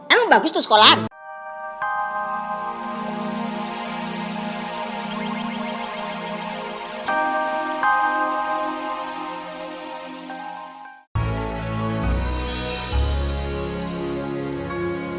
emang bagus tuh sekolah